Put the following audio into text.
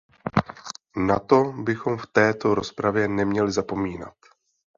Na to bychom v této rozpravě neměli zapomínat.